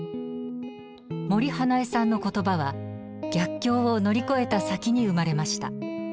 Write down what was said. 森英恵さんの言葉は逆境を乗り越えた先に生まれました。